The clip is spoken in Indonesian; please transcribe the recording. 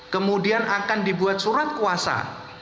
kemudian akan dibuat surat kuasa